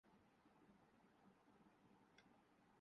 امریکہ کی یونیورسٹی کیے ڈاکٹر موانگ کہتے ہیں